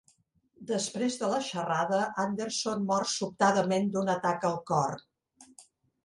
Després de la xerrada, Anderson mor sobtadament d'un atac al cor.